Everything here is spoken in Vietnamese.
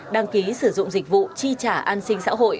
đăng ký sử dụng dịch vụ chi trả an sinh xã hội